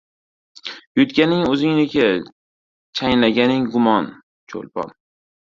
Yutganing o‘zingniki, chaynaganing – gumon. Cho‘lpon